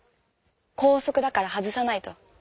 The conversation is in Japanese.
校則だから外さないと。